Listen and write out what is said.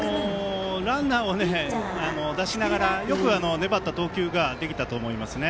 ランナーを出しながらよく粘った投球ができたと思いますね。